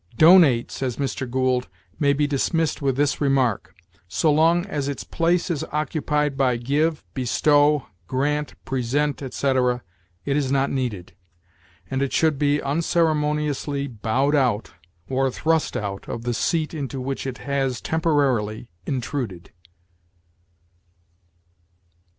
"Donate," says Mr. Gould, "may be dismissed with this remark: so long as its place is occupied by give, bestow, grant, present, etc., it is not needed; and it should be unceremoniously bowed out, or thrust out, of the seat into which it has, temporarily, intruded."